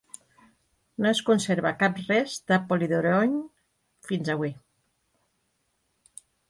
No es conserva cap rest de Polydorion fins avui.